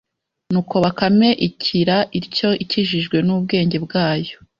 Ni uko Bakame ikira ityo ikijijwe n'ubwenge bwayo